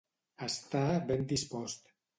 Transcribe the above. Estar ben dispost.